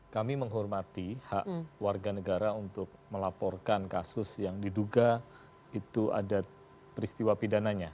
kami menghormati hak warga negara untuk melaporkan kasus yang diduga itu ada peristiwa pidananya